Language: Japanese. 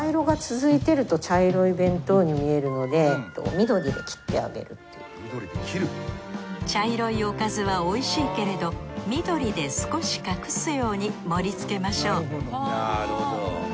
更に茶色いおかずはおいしいけれど緑で少し隠すように盛り付けましょうなるほど。